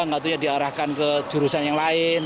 gak tentunya diarahkan ke jurusan yang lain